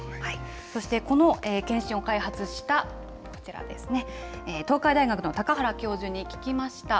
そしてこの検診を開発した、こちらですね、東海大学の高原教授に聞きました。